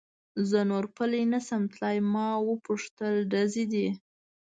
زه نور پلی نه شم تلای، ما و پوښتل: ډزې دي؟